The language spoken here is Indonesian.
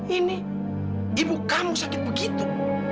ini ibu kamu sakit begitu